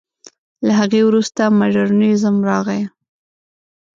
له هغې وروسته مډرنېزم راغی.